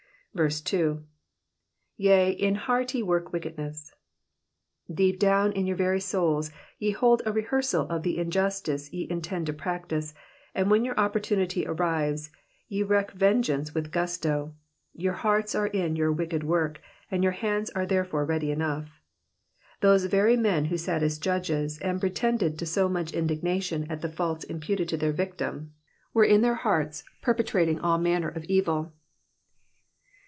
Digitized by VjOOQIC PSALM THE FIFTY EIGHTH. 63 2. F«», in heart ye work icichednees,'^^ Down deep in your very souls ye hold a rehearsal of the injustice ye intend to practise, and when your opportunity arrives, ye wreak vengeance with a gusto ; your hearts are in your wicked work, and your hands are therefore ready enough. Those very men who sat as judges, and pretended to so much indignation at the faults imputed to their victim, were in their hearts perpetrating all manner of evil.